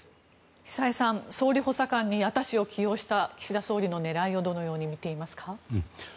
久江さん、総理補佐官に矢田氏を起用した岸田総理の狙いをどのように見ていますか。